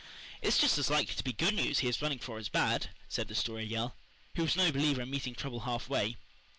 "It's just as likely to be good news he is running for as bad," said the Story Girl, who was no believer in meeting trouble half way.